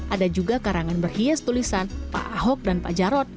ada juga karangan berhias tulisan pak ahok dan pak jarod